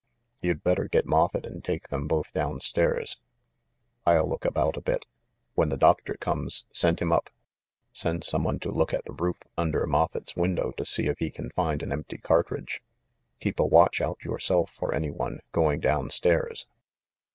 "You'd better get Moffett and take them both down stairs. I'll look about a bit. When the doctor comes, send him up. Send some one to look at the roof under Moffett's window to see if he can find an empty cartridge. Keep a watch out yourself for any one going down stairs."